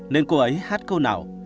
nên cô ấy hát câu nào